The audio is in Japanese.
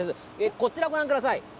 こちらをご覧ください。